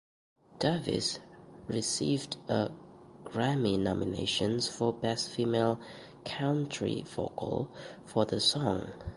Davis received a Grammy nomination for Best Female Country Vocal for the song.